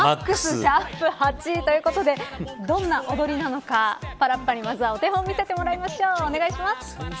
マックス＃８ということで、どんな踊りなのかパラッパにまずはお手本見せてもらいましょう。